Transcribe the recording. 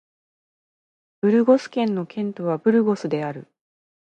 ブルゴス県の県都はブルゴスである